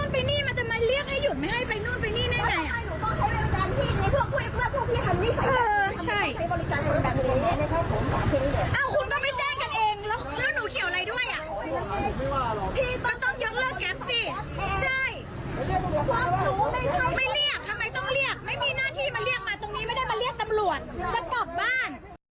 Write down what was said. ไม่รู้ทำไมเรียกทำไมต้องเรียกไม่มีหน้าที่มาเรียกมาตรงนี้ไม่ได้มาเรียกตำรวจมากลับบ้าน